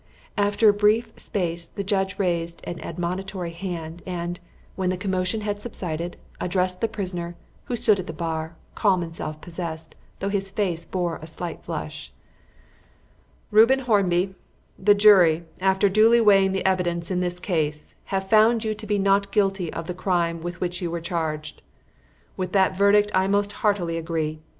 After a brief space the judge raised an admonitory hand, and, when the commotion had subsided, addressed the prisoner, who stood at the bar, calm and self possessed, though his face bore a slight flush "Reuben Hornby, the jury, after duly weighing the evidence in this case, have found you to be not guilty of the crime with which you were charged. With that verdict I most heartily agree.